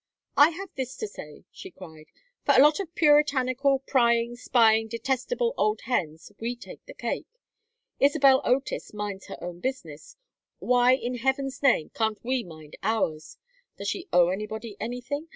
"I have this to say," she cried. "For a lot of puritanical, prying, spying, detestable old hens, we take the cake. Isabel Otis minds her own business. Why, in heaven's name, can't we mind ours? Does she owe anybody anything?